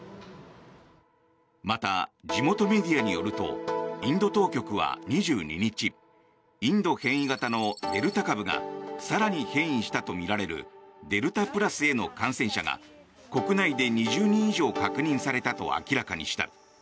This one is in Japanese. また、地元メディアによるとインド当局は２２日インド変異型のデルタ株が更に変異したとみられるデルタプラスへの感染者が国内で２０人以上確認されたと明らかにした。